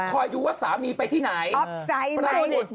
ก็คือคอยดูว่าสามีไปที่ไหนออฟไซด์ไหม